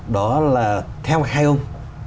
đó là theo hai ông